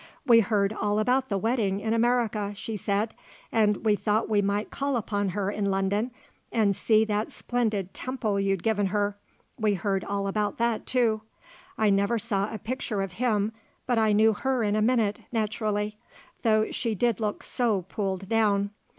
"We heard all about the wedding in America," she said, "and we thought we might call upon her in London and see that splendid temple you'd given her we heard all about that, too. I never saw a picture of him, but I knew her in a minute, naturally, though she did look so pulled down.